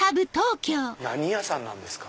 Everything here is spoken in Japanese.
何屋さんなんですか？